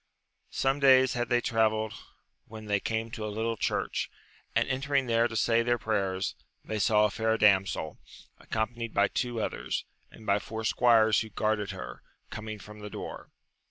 Some days had they travelled when they came to a little church, and entering there to say their prayers, they saw a fair damsel, accompanied by two others, and by four squires who guarded her, coming from the door.